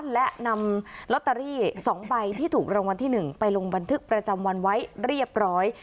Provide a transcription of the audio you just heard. และนำลอตเตอรี่๒ใบที่ถูกรางวัลที่๑ไปลงบันทึกประจำวันไว้เรียบร้อย